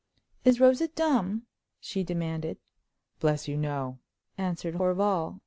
"Is Rosa dumb?" she demanded. "Bless you, no!" answered Horval.